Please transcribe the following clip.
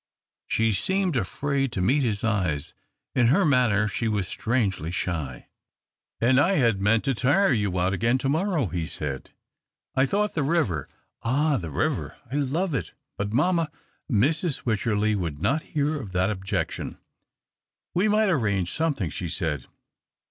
She seemed afraid to meet his eyes ; in her manner she was strangely shy. " And I had meant to tire you again to morrow," he said. " I thought the river " Ah ! the river — I love it — but mamma " Mrs. Wycherley would not hear of that obj ection. " We might arrange something," she said.